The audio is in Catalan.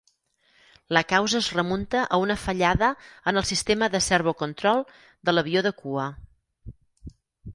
La causa es remunta a una fallada en el sistema de servo control de l'avió de cua.